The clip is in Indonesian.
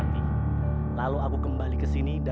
sedap sekali nih